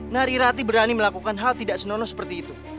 nari rati berani melakukan hal tidak senonoh seperti itu